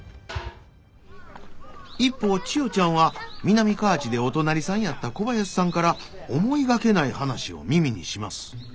一方千代ちゃんは南河内でお隣さんやった小林さんから思いがけない話を耳にします。